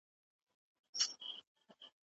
بکا وويل چې امنيت ډېر کمزوری دی.